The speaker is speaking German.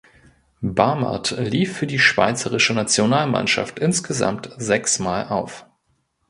Bamert lief für die schweizerische Nationalmannschaft insgesamt sechsmal auf.